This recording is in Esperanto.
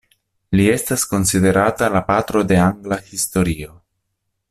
Li estas konsiderata "la patro de angla historio".